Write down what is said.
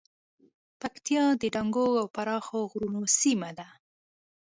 پکتیا د دنګو او پراخو غرونو سیمه ده